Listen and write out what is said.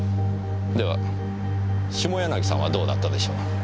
では下柳さんはどうだったでしょう。